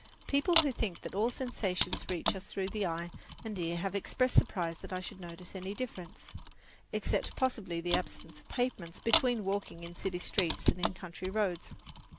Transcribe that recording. People who think that all sensations reach us through the eye and the ear have expressed surprise that I should notice any difference, except possibly the absence of pavements, between walking in city streets and in country roads.